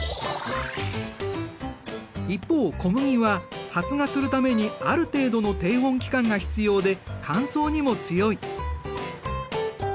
一方小麦は発芽するためにある程度の低温期間が必要で乾燥にも強い。